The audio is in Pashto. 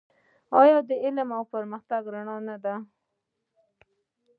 آیا د علم او پرمختګ رڼا نه ده؟